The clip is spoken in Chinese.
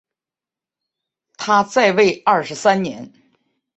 他在位二十三年。